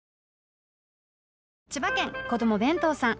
千葉県子供弁当さん。